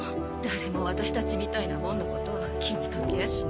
誰も私たちみたいなもんのことは気に掛けやしない。